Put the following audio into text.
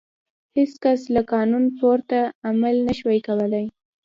هېڅ کس له قانون پورته عمل نه شوای کولای.